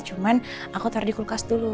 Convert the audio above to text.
cuman aku taruh di kulkas dulu